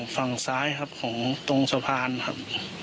ฝั่งซ้ายครับของตรงสะพานครับ